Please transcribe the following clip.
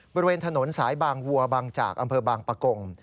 บริเวณถนนสายบางวัวบางจากอำเภอบางปะกง